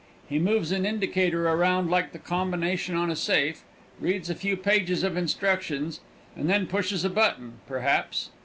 He moves an indicator around like the combination on a safe, reads a few pages of instructions, and then pushes a button, perhaps.